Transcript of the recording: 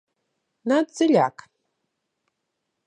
Nāc dziļāk!